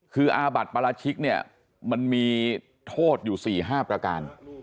คืออาบัติปราชิกเนี่ยมันมีโทษอยู่๔๕ประการ